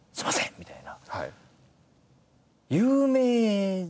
みたいな。